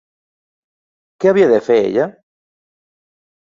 Què havia de fer, ella?